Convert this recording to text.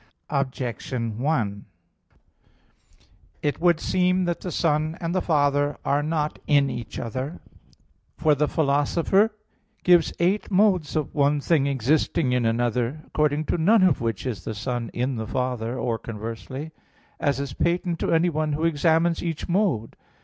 Objection 1: It would seem that the Son and the Father are not in each other. For the Philosopher (Phys. iv, text. 23) gives eight modes of one thing existing in another, according to none of which is the Son in the Father, or conversely; as is patent to anyone who examines each mode.